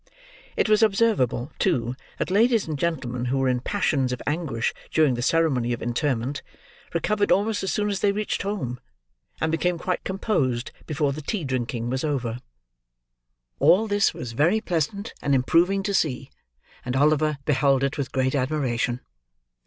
It was observable, too, that ladies and gentlemen who were in passions of anguish during the ceremony of interment, recovered almost as soon as they reached home, and became quite composed before the tea drinking was over. All this was very pleasant and improving to see; and Oliver beheld it with great admiration.